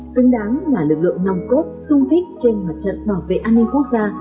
xứng đáng là lực lượng nòng cốt sung kích trên mặt trận bảo vệ an ninh quốc gia